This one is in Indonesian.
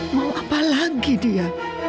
mau apa lagi dia